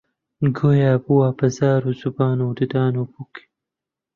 گۆیا بووە بە زار و زوبان و ددان و پووک: